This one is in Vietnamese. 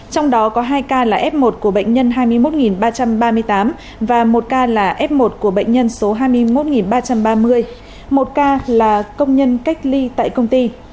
trong đó có hai ca là f một của bệnh nhân hai mươi một ba trăm ba mươi tám và một ca là f một của bệnh nhân số hai mươi một ba trăm ba mươi một ca là công nhân cách ly tại công ty